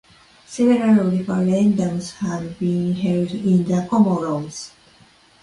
Several referendums have been held in the Comoros.